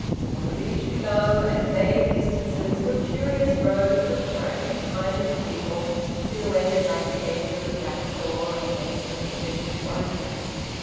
On the beach below, at vague distances were curious rows of apparently tiny people silhouetted like the edge of a black saw against an excessive whiteness.